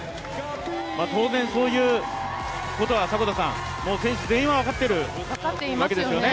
当然そういうことはもう選手全員は分かっているわけですよね。